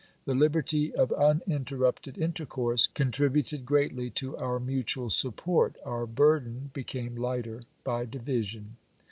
The liberty of uninterrupted intercourse contributed greatly to our mutual support ; our burden became lighter by division.